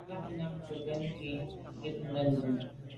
Lagnyam ke mbèn ngù wut ben ndume.